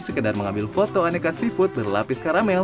sekedar mengambil foto aneka seafood berlapis karamel